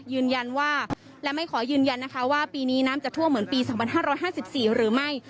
ยืนยันว่าและไม่ขอยืนยันนะคะว่าปีนี้น้ำจะท่วมเหมือนปี๒๕๕๔หรือไม่